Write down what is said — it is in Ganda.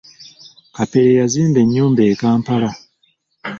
Kapere yazimba enyumba e Kampala.